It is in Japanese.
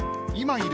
いる？